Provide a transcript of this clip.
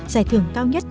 giải thưởng cao nhất